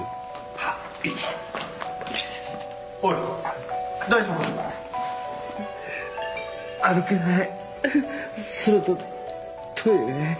はい。